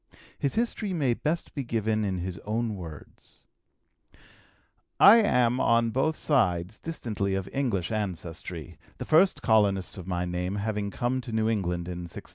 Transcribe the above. His history may best be given in his own words: "I am on both sides distantly of English ancestry, the first colonists of my name having come to New England in 1630.